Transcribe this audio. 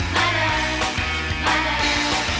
มาเลยมาเลย